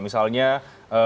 ini tidak apa namanya ya